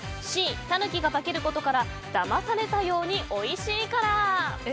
Ｃ、タヌキが化けることからだまされたようにおいしいから。